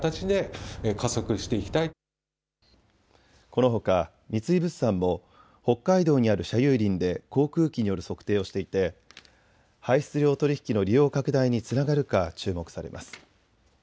このほか三井物産も北海道にある社有林で航空機による測定をしていて排出量取引の利用拡大につながるか注目されます。